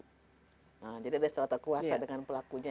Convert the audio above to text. jadi ada serata kuasa dengan pelakunya